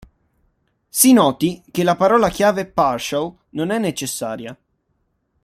Si noti che la parola chiave partial non è necessaria.